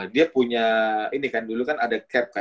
dia punya ini kan dulu kan ada cap kan